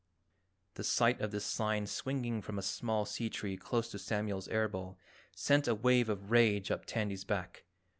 The sight of this sign swinging from a small sea tree close to Samuel's air bowl sent a wave of rage up Tandy's back.